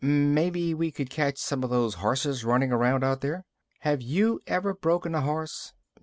"Maybe we could catch some of those horses running around out there." "Have you ever broken a horse?"